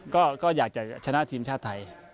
ก็อยากจะชนะทีมชาติไทย